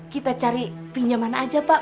kita cari pinjaman aja pak